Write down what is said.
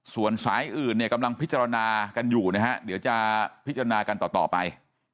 ส่วนสายอื่นเนี่ยกำลังพิจารณากันอยู่นะฮะเดี๋ยวจะพิจารณากันต่อไป